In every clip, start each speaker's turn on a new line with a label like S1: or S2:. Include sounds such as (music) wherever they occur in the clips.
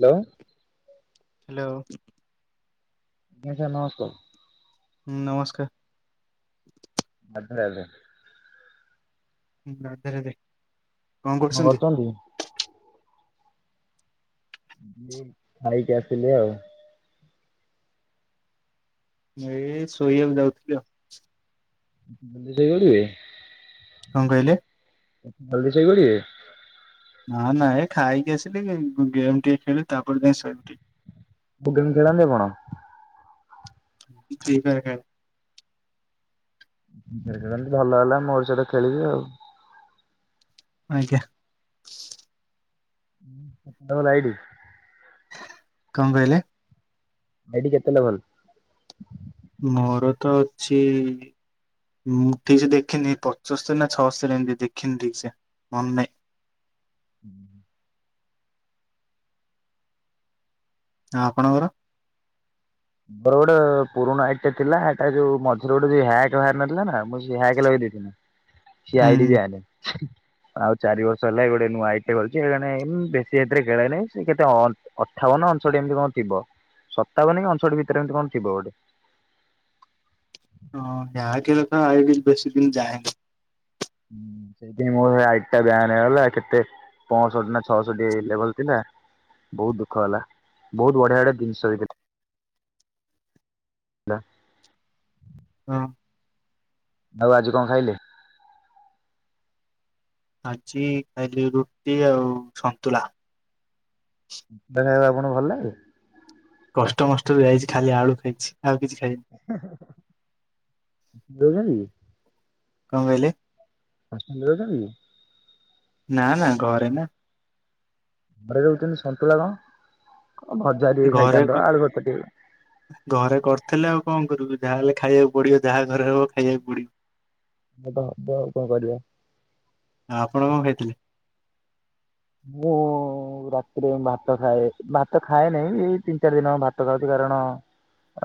S1: Hello.
S2: Hello.
S1: ଆଜ୍ଞା sir ନମସ୍କାର।
S2: ହୁଁ ନମସ୍କାର।
S1: (unintelligible)
S2: ହୁଁ ରଜରେ ଦେ
S1: କଁ କରୁଚନ୍ତି? ଖାଇକି ଆସିଲି ଆଉ।
S2: ସେଇ ଶୋଇବାକୁ ଯାଉଥିଲି ଆଉ।
S1: ସାଇପଡ଼ିବେ?
S2: କଁ କହିଲେ?
S1: ଜଲ୍ଦି ସୋଇପଡ଼ିବେ।
S2: ନା ନା ଏ ଖାଇକି ଆସିଲି ଗେମ୍ ଟିକେ ଖେଳିବି ତାପରେ ଯାଇ ଶୋଇବି ଟିକେ।
S1: (unintelligible) କଣ।
S2: ଫିଫାୟାର୍ ଖେଳେ।
S1: (unintelligible) ଭଲ ହେଲା ମୋର ସେଇଟା ଖେଳିବି ଆଉ।
S2: ଆଜ୍ଞା।
S1: (unintelligible) ଲାଇଟ୍
S2: କଁ କହିଲେ?
S1: ଭାଇଡ୍ କେତେ ଲଭନ୍
S2: ମୋରତ ଅଛି ହୁଁ ଠିକସେ ଦେଖିନି ପଚସ୍ତରି ନା ଛଅସ୍ତରି ଏମିତି ଦେଖିନି ଠିକ୍ ସେ ମନେ ନାହିଁ।
S1: ହୁଁ।
S2: ଆଁ ଆପଣଙ୍କର?
S1: ମୋର ଗୋଟେ ପୁରୁଣା ଏଇଟଟେ ଥିଲା ହେଟା ଯୋଉ ମଝିରେ ଯୋଉ ହ୍ୟାକ୍ ନଥିଲାନା ମୁଁ ସେ ହାକ୍ ମୁଁ ସେଲଗେଇ ଦେଇଥିଲି।
S2: ହୁଁ
S1: ସେଆଇଡି ଜାଗାରେ। ଆଉ ଚାରି ବର୍ଷ ହେଲା ଗୋଟେ ନୂଆ ଆଇଡ୍ ଖୋଲିଚି ବେଶି ଏତିରେ ଖେଳେ ନାହିଁ କେତ ଅଠାବନ ଅଣଷୋଠି ଏମିତି କଣ ଥିବ ସତାବନକି ଅଣଷଠି ଭିତରେ ଏମିତି କଣ ଥିବ ଗୋଟେ।
S2: ହଁ (unintelligible) ଆଇଡି ବେଶୀ ଦିନି ଯାଏନି।
S1: ଁ ସେଇଥିାଇଁ ମୋର ସେ ଆଇଡ଼ିଟା ବ୍ୟାନ୍ ହେଇଗଲା କେତେ ପଞ୍ଚଷଠିନା ଛଅଷଟିଏ ଲେବଲ୍ ଥିଲା ବହୁତ୍ ଦୁଃଖ ହେଲା ବହୁତ୍ ବଢିଆ ବଢିଆ ଜିନିଷ ହେଥି (inaudible)
S2: ହଁ।
S1: ଆଉ ଆଜି କଁ ଖାଇଲେ?
S2: ଆଜି ଖାଇଲି ରୁଟି ଆଉ ସନ୍ତୁଳା।
S1: (unintelligible) ଆପଣ ଭଲ ଲାଗେ?
S2: କଷ୍ଟମଷ୍ଟରେ ଯାଇଛି ଖାଲି ଆଳୁ ଖାଇଛି ଆଉ କିଛି ଖାଇନି।
S1: ରହୁଚନ୍ତି।
S2: କଣ କହିଲେ?
S1: ହଷ୍ଟେଲ୍ ରେ ରହୁଛନ୍ତି।
S2: ନାଁ ନାଁ ଘରେ ନାଁ।
S1: ଘରେ ରହୁଚନ୍ତି ସନ୍ତୁଳା କଣ ଭଜା ଟିକେ
S2: ଘରେ
S1: ଖାଇଥାନ୍ତ
S2: କୁ
S1: ଆଳୁ ଭାର୍ତ୍ତା ଟିକେ
S2: ଘରେ କରିଥେଲେ ଆଉ କଣ କରିବୁ ଯାହା ହେଲେ ଖାଇବାକୁ ପଡିବ ଯାହା ଘରେ ହବ ଖାଇବାକୁ ପଡିବ।
S1: (unintelligible) ଆଉ କଣ କରିବା?
S2: ଆ ଆପଣ କଣ ଖାଇଥିଲେ?
S1: ମୁଁ ମୁଁ ରାତିରେ ଭାତ ଖାଏ ଭାତ ଖାଏ ନେଇ ଏଇ ତିନି ଚାରି ଦିନ ହବ ଭାତ ଖାଉଚି କାରଣ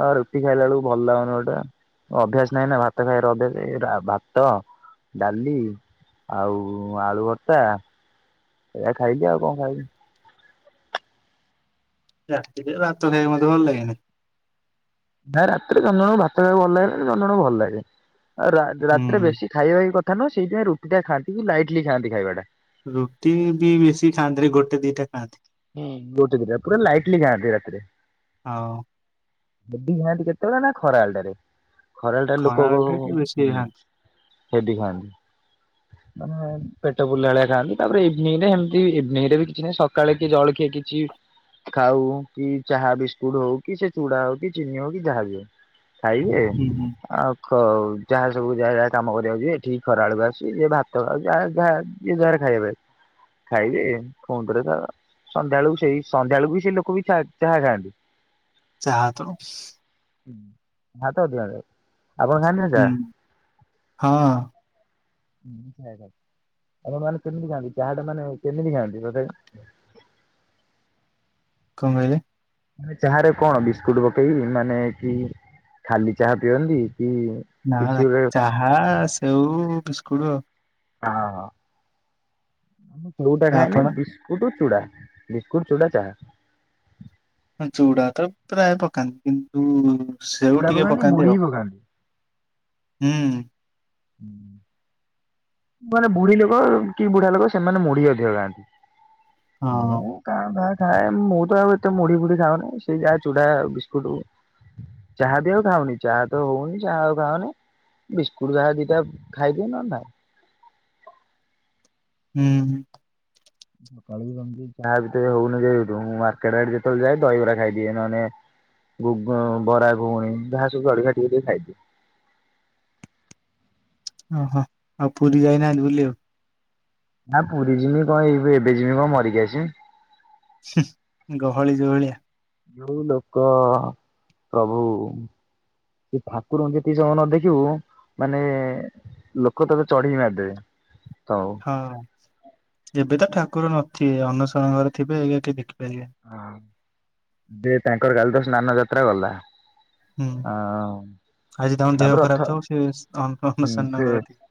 S1: ଅ ରୁଟି ଖାଇଲା ବେଳକୁ ଭଲ ଲାଗୁନି ଗୋଟେ। ଅଭ୍ୟାସ ନାହିଁ ନାଁ ଭାତ ଖାଇଆର ଅଭ୍ୟାସ ଏଇରା ଭାତ ଡାଲି ଆଉ ଆଳୁ ଭାର୍ତ୍ତା ଏଇଆ ଖାଇଲି ଆଉ କଣ ଖାଇବି?
S2: ରାତିରେ ଭାତ ଖାଇଆକୁ ମୋତେ ଭଲ ଲାଗେନି।
S1: ନାଇଁ ରାତିରେ ଜଣ ଜଣଙ୍କୁ ଭାତ ଖାଇବାକୁ ଭଲ ଲାଗେନି ଜଣ ଜଣଙ୍କୁ ଭଲ ଲାଗେ ଆଉ ରାତ ରାତିରେ
S2: ହୁଁ।
S1: ବେଶୀ ଖାଇବା ବି କଥା ନୁହଁ ସେଇଥିପାଇଁ ରୁଟିଟା ଖାଆନ୍ତି କି ଲାଇଟ୍ଲି ଖାଆନ୍ତି ଖାଇବାଟା।
S2: ରୁଟି ବି ବେଶୀ ଖାଆନ୍ତିନି ଗୋଟେ ଦିଟା ଖାଆନ୍ତି।
S1: ହୁଁ ଗୋଟେ ଦିଟା ପୁରା ଲାଇଟ୍ଲି ଖାଆନ୍ତି ରାତିରେ।
S2: ଆଉ
S1: ହେବି ଖାଆନ୍ତି କେତେବେଳେ ନାଁ ଖରା ବେଳଟାରେ ଖରାଳଟାରେ ଲୋକ
S2: ଖରାବେଳ
S1: ହୁଁ
S2: ଟା ଟିକେ
S1: ହୁଁ
S2: ବେଶୀ
S1: ହୁଁ।
S2: ଖାଆନ୍ତି
S1: ହେବି ଖାଆନ୍ତି। ମାନେ ପେଟ ପୁରିଲା ଭଳିଆ ଖାଆନ୍ତି ତାପରେ ଇଭିନିଂରେ ଏମିତି ଇଭିନିଂରେ ବି କିଛି ନାହିଁ ସକାଳେ କି ଜଳଖିଆ କିଛି ଖାଉ କି ଚାହା ବିସ୍କୁଟ ହଉ କି ସେ ଚୁଡା ହଉ କି ଚିନି ହଉ କି ଯାହା ବି ହଉ। ଖାଇବେ?
S2: ହୁଁ ହୁଁ।
S1: ଆଉ ଖ ଯାହା ସବୁ ଯାହା ଯାହା କାମ କରିଆକୁ ଯିବେ ଏଠି ଖରାବେଳୁକୁ ଆସିକି ଭାତ ଆଉ ଯାହା ଯାହା ଇଏ ଯୁଆଡେ ଖାଇବେ ଖାଇବେ ଫୁଣି ଥରେ ତା ସନ୍ଧ୍ୟାବେଳକୁ ସେଇ ସନ୍ଧ୍ୟାବେଳକୁ ବି ସେଇ ଲୋକ ବି ଚା ଚାହା ଖାଆନ୍ତି।
S2: ଚାହା ତ
S1: (unintelligible) ଆପଣ ଖାଆନ୍ତିନା ଚା।
S2: ହଁ
S1: (unintelligible) ଆପଣ ମାନେ କେମିତି ଖାଆନ୍ତି ଚାହାଟା ମାନେ କେମିତି ଖାଆନ୍ତି ତଥାପି।
S2: କଣ କହିଲେ?
S1: ଚାହାରେ କଣ ବିସ୍କୁଟ ପକେଇକି ମାନେ କି ଖାଲି ଚାହା ପିଅନ୍ତି କି
S2: ନାଁ
S1: କିଛି
S2: ନାଁ
S1: ଗୋଟେ
S2: ଚାହା ସେଉ ବିସ୍କୁଟ ଆଉ।
S1: ହଁ ହଁ ମୁଁ ସେଉଟା ଖାଏନି
S2: ଆପଣ
S1: ବିସ୍ ବିସ୍କୁଟ ଚୁଡ଼ା ବିସ୍କୁଟ ଚୁଡ଼ା ଚାହା।
S2: ଚୁଡ଼ା ତ ପ୍ରାୟେ ପକାନ୍ତି କିନ୍ତୁ ସେଉ
S1: ଚୁଡା
S2: ଟିକେ
S1: ମୁଢି
S2: ପକାନ୍ତି ଆଉ।
S1: ବି
S2: ହୁଁ।
S1: ହୁଁ। ମାନେ ବୁଢୀଲୋକ କି ବୁଢାଲୋକ ସେମାନେ ମୁଢି ଅଧିକ ଖାଆନ୍ତି
S2: ହଁ
S1: ମୁଁ କାଁ ଭାଁ ଖାଏ ମୁଁ ତ ଆଉ ଏତେ ମୁଢି ଫୁଢି ଖାଉନି ସେଇ ଯାହା ଚୁଡା ବିସ୍କୁଟ। ଚାହା ବି ଆଉ ଖାଉନି ଚାହା ତ ହଉନି ଚାହା ଆଉ ଖାଉନି। ବିସ୍କୁଟ ଯାହା ଦିଟା ଖାଇଦିଏ ନହେଲେ ନାହିଁ।
S2: ହୁଁ ହୁଁ।
S1: (inaudible) ଚାହା ଭିତରେ ହଉନି ଯେ ମୁଁ ମାର୍କେଟ ଆଡେ ଯେତେବେଳେ ଯାଏ ଦହିବରା ଖାଇଦିଏ ନହେଲେ। ଗୁଗୁଁ ବରା, ଘୁଗୁନି ଯାହା ସବୁ ଜଳଖିଆ ଟିକେ ଟିକେ ଖାଇଦିଏ।
S2: ଓହୋ ଆଉ ପୁରୀ ଯାଇନାହାନ୍ତି ବୁଲିବାକୁ।
S1: ନାଁ ପୁରୀ ଯିମି କ'ଣ ଏଇବେ ଏବେ ଯିମି କ'ଣ ମରିକି ଆସିିମି।
S2: ହୁଁ ଗହଳି ଯୋଭଳିଆ।
S1: ଯୋଉ ଲୋକ ପ୍ରଭୁ। ସେ ଠାକୁରଙ୍କୁ ଯେତିକି ସମୟ ନ ଦେଖିବୁ ମାନେ। ଲୋକ ତତେ ଚଢିକି ମାରି ଦେବେ ତ।
S2: ହଁ ଏବେ ତ ଠାକୁର ନଥିବେ ଅନୁସରଣ ଘରେ ଥିବେ ତ କେହି ଦେଖିପାରିବେ ନି।
S1: ହଁ ଯେ ତାଙ୍କର କାଲି ତ ସ୍ନାନ ଯାତ୍ରା ଗଲା।
S2: ହୁଁ
S1: ଅ
S2: ଆଜି ତମର ଦେହ
S1: ତାପରେ ରଥ
S2: ଖରାପ ଥାଉ ସେ ଅର୍ଣ୍ଣ ପ୍ରସନ ଘଟି।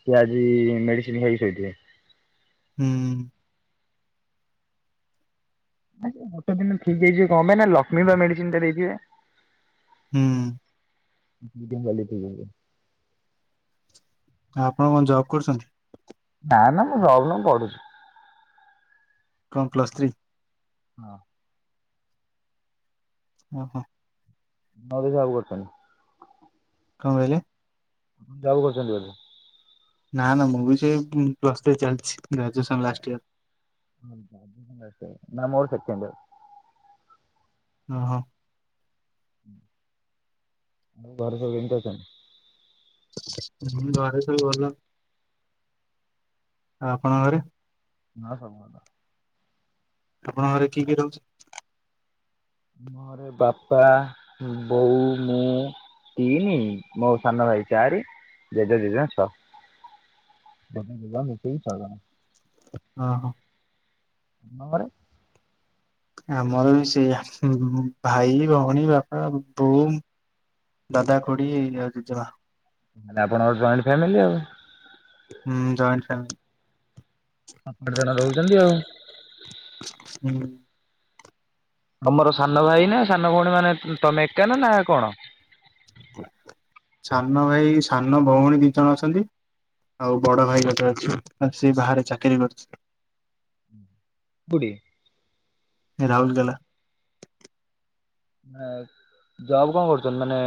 S1: ସିଏ ଆଜି ମେଡିସିନ ଖାଇକି ଶୋଇଥିବେ।
S2: ହୁଁ।
S1: ଆଜ୍ଞା ଗୋଟେ ଦିନ ଠିକ ହେଇଯିବି କ'ଣ ପାଇଁ ନା ଲକ୍ଷ୍ମୀ ବା ମେଡିସିନି ଟା ଦେଇଥିବେ।
S2: ହୁଁ।
S1: ଦି ଜଣ ଚାଲିକି ଯିବେ।
S2: ଆପଣ କ'ଣ ଜବ୍ କରୁଛନ୍ତି।
S1: ନା ନା ମୁଁ ରବଲ ପଢୁଛି।
S2: କ'ଣ ପ୍ଲସ ଥ୍ରୀ।
S1: ହଁ।
S2: ଓ ହୋ।
S1: ନ ଦେ ହିସାବ କରୁଛନ୍ତି।
S2: କ'ଣ କହିଲେ।
S1: ଜାଉ କରୁଛନ୍ତି ବୋଧେ।
S2: ନା ନା ମୁଁ ବି ସେ ପ୍ଲସ ଥ୍ରୀ ଚାଲିଛି ଗ୍ରାଜୁଏସନ ଲାଷ୍ଟ ଇୟର।
S1: (inaudible) ନାଁ ମୋର୍ ସେକେଣ୍ଡେ ଇୟର।
S2: ଅ ହଁ।
S1: ଆଉ ଘରେ ସବୁ କେମିତି ଅଛନ୍ତି।
S2: ମୁଁ ଘରେ ସବୁ ଭଲ ଆଉ ଆପଣଙ୍କ ଘରେ।
S1: ନାଁ ସବୁ ଭଲ।
S2: ଆପଣଙ୍କ ଘରେ କିଏ କିଏ ରହୁଛି।
S1: ମୋର ବାପା, ବୋଉ ମୁଁ। ତିନି ମୋ ସାନ ଭାଇ ଚାରି ଜେଜେ, ଜେଜେମା ଛଅ। ଜେଜେ, ଜେଜେମା ମିଶେଇ ଛଅ ଜଣ।
S2: ହଁ ହୋ।
S1: ତମର।
S2: ଆମର ବି ସେୟା ଭାଇ, ଭଉଣୀ, ବାପା, ବୋଉ। ଦାଦା, ଖୁଡି ଆଉ ଜେଜେମା।
S1: ମାନେ ଆପଣଙ୍କର ଜଏଣ୍ଟ ଫ୍ୟାମିଲି ଆଉ।
S2: ହୁଁ ଜଏଣ୍ଟ ଫ୍ୟାମିଲି।
S1: ପାଞ୍ଚ ଠି ଜଣ ରହୁଛନ୍ତି ଆଉ।
S2: ହୁଁ।
S1: ତମର ସାନ ଭାଇ ନା ସାନ ଭଉଣୀ ମାନେ ତମେ ଏକା ନା କଣ?
S2: ସାନ ଭାଇ ସାନ ଭଉଣୀ ଦି ଜଣ ଅଛନ୍ତି। ଆଉ ବଡ ଭାଇ ଗୋଟେ ଅଛି ସେ ବାହାରେ ଚାକିରି କରୁଛି।
S1: କୋଉଠି?
S2: ରାଉଲୁକେଲା।
S1: ମ ଜବ କଣ କରୁଛନ୍ତି ମାନେ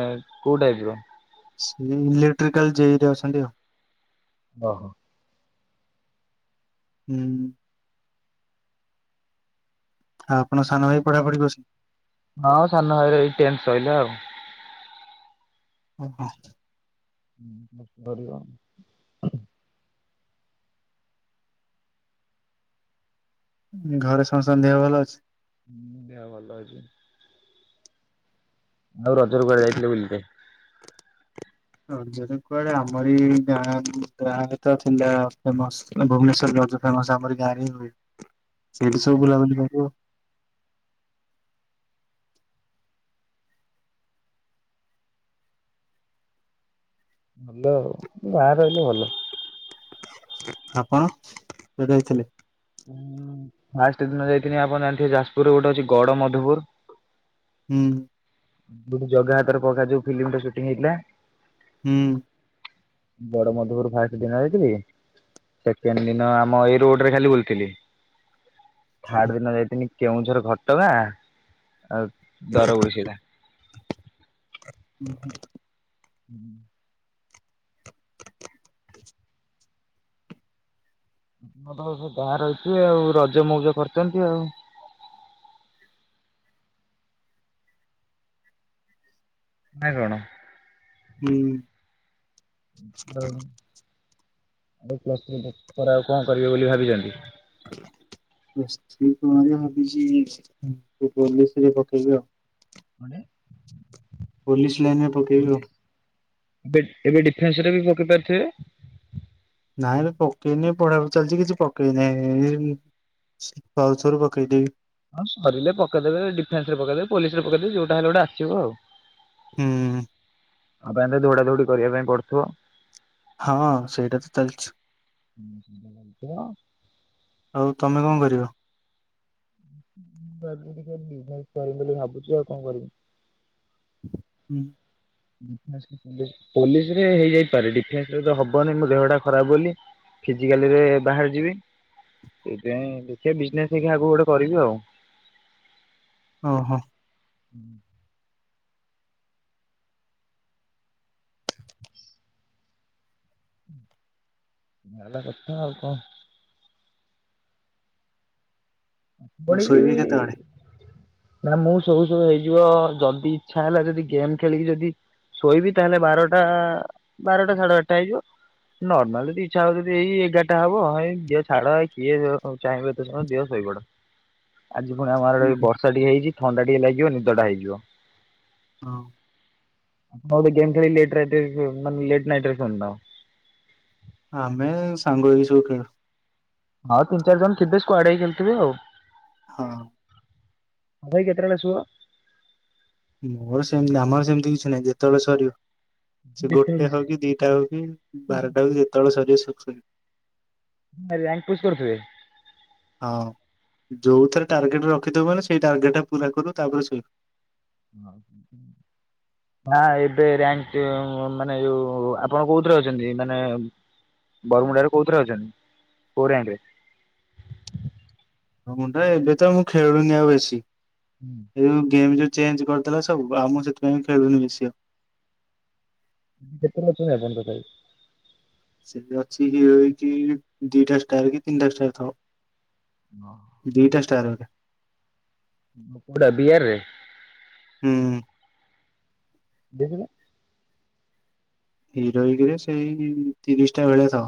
S1: କୋଉ ଟାଇପ ର?
S2: ସେ ଇଲେକ୍ଟ୍ରିକାଲ ଜେଇ ରେ ଅଛନ୍ତି ଆଉ।
S1: ଓହୋ।
S2: ହୁଁ। ଆଉ ଆପଣ ସାନ ଭାଇ ପଢାପଢି କର
S1: ହଁ ସାନ ଭାଇର ଏଇ ଟେଣ୍ଟ ସହିଲା ଆଉ।
S2: ଓ ହ।
S1: ଉ ହୁଁ ଭଲ।
S2: ଘରେ ସମସ୍ତ ଦେହ ଭଲ ଅଛି?
S1: ହୁଁ ଦେହ ଭଲ ଅଛି। ଆଉ ରଜ ରେ କୁଆଡେ ଯାଇଥିଲେ ବୁଲିଲେ?
S2: ରଜ ରେ କୁଆଡେ ଆମର ଏଇ ଗାଁ ଗାଁରେ ତ ଥିଲା ଫେମସ। ଭୁବନେଶ୍ଵର ଫେମସ ଆମରି ଗାଁ ରେ ହିଁ ହୁଏ ସେଇଠି ସବୁ ବୁଲାବୁଲି କରିବୁ।
S1: ଭଲ ଗାଁ ରେ ରହିଲେ ଭଲ।
S2: ଆପଣ (unintelligible) ଯାଇଥିଲେ?
S1: ହୁଁ ଫାଷ୍ଟ ଦିନ ଯାଇଥିଲି ଆପଣ ଜାଣିଥିବେ ଯାଜପୁରୁ ଗୋଟେ ଅଛି ଗଡ଼ମଧୁପୁରୁ?
S2: ହୁଁ।
S1: ଗୋଟେ ଜଗା ହାତରେ ପଘା ଯୋଉ ଫିଲ୍ମ ସୁଟିଂ ହେଇଥିଲା।
S2: ହୁଁ।
S1: ଗଡମଧୁପୁରୁ ଫାଷ୍ଟ ଦିନ ଯାଇଥିଲି। ସେକେଣ୍ଡେ ଦିନ ଆମ ଏଇ ରୋଡରେ ଖାଲି ବୁଲିଥିଲି। ଥାର୍ଡ଼ ଦିନ ଯାଇଥିଲି କେଉଁଝର ଘଟଗାଁ ଆଉ (unintelligible)
S2: ଉ ହୁଁ।
S1: ହୁଁ। ତ ସେ ଗାଁ ରହିଛି ଆଉ ରଜ ମଉଜ କରିଛନ୍ତି ଆଉ ନା କଣ? ହଉ। (unintelligible)
S2: ହୁଁ
S1: ଆଉ କଣ କରିବେ ବୋଲି ଭାବିଛନ୍ତି?
S2: (unintelligible)
S1: (unintelligible)
S2: ପୋଲିସି ଲାଇନି ରେ ପକେଇବି ଆଉ।
S1: ଏ ଏବେ ଡିଫେନ୍ସ ରେ ବି ପକେଇ ପାରୁଥିବେ?
S2: ନାଇଁ ଏ ପକେଇନି ପଢା ପଢି ଚାଲିଛି କିଛି ପକେଇ ନାହିଁ ଏ ଆଉ ଥରେ ପକେଇଦେବୀ।
S1: ହଁ ସାରିଲେ ପକଇଦେବେ ଡିଫେସ ରେ ପକେଇଦେବେ ପୋଲିସି ରେ ପକେଇଦେବି ଯୋଉଟା ହେଲେ ଗୋଟେ ଆସିବ ଆଉ।
S2: ହୁଁ।
S1: ଆଉ ପାଇଁ ଦୌଡା ଧୌଡି କରିବା ପାଇଁ ପଡୁଥିବ?
S2: ହଁ ସେଇଟା ତ ଚାଲିଛି।
S1: କରିବି ବୋଲି
S2: ଆଉ ତମେ କଣ କରିବ?
S1: ମୁଁ (unintelligible) ଭାବୁଛି ଆଉ କଣ କରିବି।
S2: ହୁଁ।
S1: ପୋଲିସରେ ହେଇଯାଇପାରେ ଡିଫେନ୍ସରେ ତ ହବନି ମୋ ଦେହଟା ଖରାପ ବୋଲି ଫିଜିକାଲିରେ ବାହାରି ଯିବି। ସେଇଥିପାଇଁ ଦେଖିବା ବିଜନେସ ହେରିକା ଆଗକୁ ଗୋଟେ କରିବି ଆଉ
S2: ଓହୋ।
S1: ହୁଁ ଭଲ କଥା ଆଉ କଣ?
S2: ଆଉ
S1: ବଣିକି ବି
S2: ଶୋଇବି କେତେବେଳେ?
S1: ନା ମୁଁ ସବୁ ସବୁ ହେଇଯିବ ଯଦି ଇଛା ହେଲା ଯଦି ଗେମ୍ ଖେଳିକି ଯଦି ଶୋଇବି ତାହେଲେ ବାରଟା ବାରଟା ସାଢେ ବାରଟା ହେଇଯିବ। ନର୍ମାଲ ଯଦି ଇଚ୍ଛା ହଉଚି ଯଦି ଏଇ ଏଗାରଟା ହବ ହେ ଦିଅ ଛାଡ଼ କିଏ ଚାହିଁବେ ଏତେ ସମୟ ଦିଅ ଶୋଇପଡ଼। ଆଜି ପୁଣି ଆମର ବର୍ଷା ଟିକେ ହେଇଛି ଥଣ୍ଡା ଟିକେ ଲାଗିବ ନିଦ ଟା ହେଇଯିବ।
S2: ହଁ
S1: ଆପଣ ଗେମ୍ ଖେଲି ଲେଟଲାଇଟ ମାନେ ଲେଟନାଇଟରେ ଗେମଟା ହବ।
S2: ଆମେ ସାଙ୍ଗ ହେଇ ସବୁ ଖେଳୁ।
S1: ହଁ ତିନ ଚାରି ଜଣ ଥେ ସ୍କୁୁଆଡ ହେଇ ଖେଳୁଥିବେ ଆଉ
S2: ହଁ।
S1: ଭାଇ କେତେବେଳେ ଆସିବ?
S2: ମୋର ସେମତି ଆମର ସେମିତି କିଛି ନାହିଁ ଯେତେବେଳେ ସରିବ। ସେ ଗୋଟେ ହଉ କି ଦିଟା ହଉ କି ବାରଟା ହଉ କି ଯେତେବେଳେ ସରିବ (unintelligible)
S1: ଆରେ ରାଙ୍କ ପୁସ୍ କରୁଥିବେ।
S2: ହଁ ଯେଉଁଥିରେ ଟାର୍ଗେଟ୍ ରଖିଥିବ ମାନେ ସେଇ ଟାର୍ଗେଟ୍ ପୁରା କରୁ ତାପରେ ଶୋଇ
S1: (inaudible) ହଁ ଏବେ ରାଙ୍କ ମାନେ ଯୋଉ ଆପଣ କୋଉଥିରେ ଅଛନ୍ତି ମାନେ ବରମୁଣ୍ଡାରେ କୋଉଥିରେ ଅଛନ୍ତି କୋଉ ରାଙ୍କରେ
S2: ହଉ ମଣ୍ଟୁ ଭାଇ ଏବେ ତ ମୁଁ ଖେଳୁନି ଆଉ ବେଶୀ।
S1: ହୁଁ।
S2: ଯଉ ଗେମ ଯୋଉ ଚେଞ୍ଜ କରିଦଥିଲା ସବୁ ଆଉ ମୁଁ ସେଥିପାଇଁ ଖେଳୁନି ବେଶି ଆଉ।
S1: କେତେରେ ଅଛନ୍ତି (unintelligible)
S2: ସେବେ ଅଛି ହିରୋଇ କି ଦିଟା ଷ୍ଟାର କି ତିନିଟା ଷ୍ଟାର ଥିବ।
S1: ହଁ।
S2: ଦିଟା ଷ୍ଟାର ଵାଲା।
S1: କଡା ବିହାରରେ
S2: ହୁଁ
S1: ଦେଖିଲ
S2: ହିରୋଇକିରେ ସେଇ ତିରିଶ ଟା ଭେଳିଆ ଥିବ।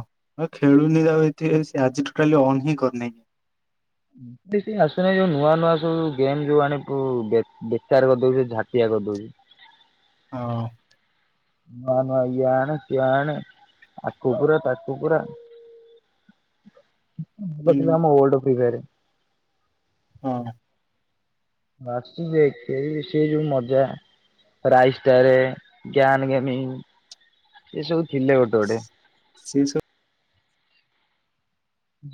S2: ହଁ ଖେଳୁନି ଆଉ ଏ ଆଜି ଟଟାଲି ଅନ୍ ହିଁ କରିନି।
S1: ଆସୁନାହିଁ ଯୋଉ ନୂଆ ନୂଆ ସବୁ ଗେମ୍ ଯୋଉ ଆଣି ବେକାର କରିଦଉଛି ଝାଟିଆ କରିଦଉଛି।
S2: ହଁ।
S1: ନୂଆ ନୂଆ ଇଏ ଆଣେ ସିଏ ଆଣେ ଆକୁ ପୁରା ତାକୁ ପୁରା।
S2: ହୁଁ
S1: ତମେ ଆମ ଓଲଡ ଫିଡେରେ।
S2: ହଁ।
S1: ବାସି ଯେ ଏ ସେଇ ମଜା। ରାଇଷ୍ଟାରେ ଜ୍ଞାନ ଗାମି ଏସବୁ ଥିଲେ ଗୋଟେ ଗୋଟେ
S2: ସେ ସବୁ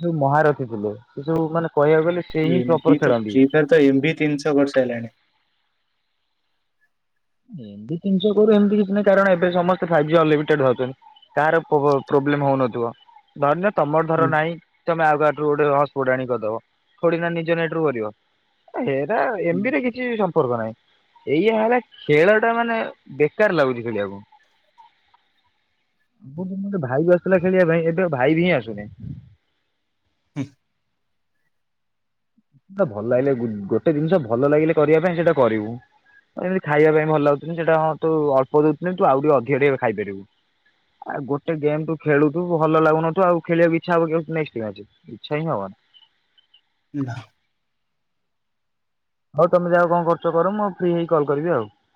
S1: ଯୋଉ ମହହାରଥୀ ଥିଲେ ସେ ଯୋଉ ମାନେ କହିବାକୁ ଗଲେ ସେ ହିଁ
S2: ଏମ
S1: ପ୍ରପର
S2: ବି ତ
S1: ଖେଳନ୍ତି।
S2: ପ୍ରି ଫାର ତ ଏମ ବି ତିନିଶହ କରିସାରିଲାଣି।
S1: ଏବେ ତିିଷ କୋଡେ କରୁ ଏମିତି କିଛି ନାହିଁ କାରଣ ଏବେ ସମସ୍ତେ ଫାଇ ଜ ଅନମିଟେଡ ପାଉଛନ୍ତି। କାର ପବ ପ୍ରୋବ୍ଲେମ ହଉନଥିବ। ଧରିନିଅ ତମର ଧର
S2: ହୁଁ
S1: ନାହିଁ ତମେ ଆଉ କାଠୁ ଗୋଟେ ହଟ୍ ପଟ ଆଣି କରିଦବ। ଥୋଡି ନା ନିଜ ନେଟ ରୁ କରିବ। ଏଟା
S2: ହୁଁ
S1: ଏମି ବି ରେ କିଛି ସମ୍ପର୍କ ନାହିଁ। ଏଇଆ ହେଲା ଖେଳ ଟା ମାନେ ବେକାର ଲାଗୁଛି ଖେଳିବାକୁ। (unintelligible) ଭାଇବ ବି ଆସିୁଥିଲା ଖେଳିବା ପାଇଁ ଏବେ ଭାଇବ ହିଁ ଆସୁନି।
S2: (unintelligible)
S1: ଭଲ ଲାଗିଲେ ଗୋଟେ ଜିନିଷ ଭଲ ଲାଗିଲେ କରିବା ପାଇଁ ସେଇଟା କରିବୁ। ଏମିତି ଖାଇବା ପାଇଁ ଭଲ ଲାଗୁନ ସେଇଟା ତୁ ଅଳପ ଦଉୁ ତୁ ଆଉ ଟିକେ ଅଧିକ ଟିକ ଖାଇପାରିବୁ ଆଉ ଗୋଟେ ଗେମ ତୁ ଖେଲୁ ଥିବୁ ଭଲ ଲାଗୁନଥିବ ଆଉ ଖେଳକୁ ଇଚ୍ଛା ହବ କି ନେକ୍ସଟ୍ ଦିନ ସେ? ଇଛା ହଁ ହବନି।
S2: ନା।
S1: ହଉ ତମେ ଯାହା କଣ କର୍ଚ କର ମୁଁ ଫ୍ରି ହେଇ କଲ କରିବି ଆଉ।